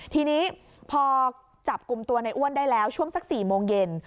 ทีนี้พอจับกลุ่มตัวในอ้วนได้แล้วช่วงสัก๔โมงเย็น